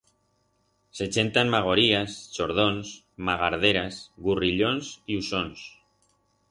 Se chentan magorías, chordons, magarderas, gurrillons y usons.